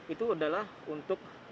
itu adalah untuk